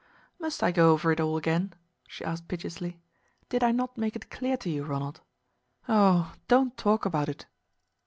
"Must I go over it all again?" she asked piteously. "Did I not make it clear to you, Ronald? Oh don't talk about it!"